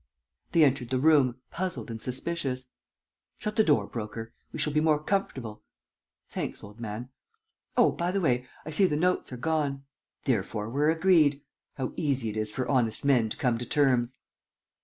They entered the room, puzzled and suspicious. "Shut the door, Broker ... we shall be more comfortable. Thanks, old man. Oh, by the way, I see the notes are gone. Therefore we're agreed. How easy it is for honest men to come to terms!"